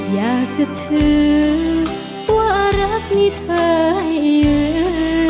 อยากจะถือว่ารักมีเธอให้เยอะ